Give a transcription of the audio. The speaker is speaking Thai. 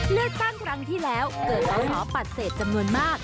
เลือกตั้งครั้งที่แล้วเกิดสอสอปฏิเสธจำนวนมาก